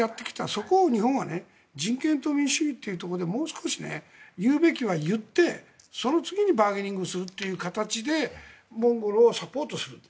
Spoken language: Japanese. そこを日本は人権と民主主義というところでもう少し、言うべきは言ってその次にバーゲニングをするという形でモンゴルをサポートすると。